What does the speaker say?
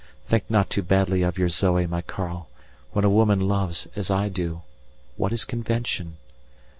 Think not too badly of your Zoe, my Karl; when a woman loves as I do, what is convention?